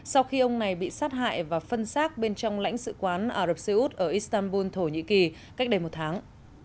sau khi ông này bị sát hại và phân xác bên trong lãnh sự quán ả rập xê út ở istanbul thổ nhĩ kỳ cách đây một tháng